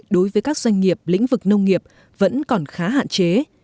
đối với các doanh nghiệp lĩnh vực nông nghiệp vẫn còn khá hạn chế